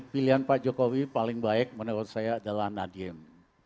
pilihan pak jokowi paling baik menurut saya adalah nadiem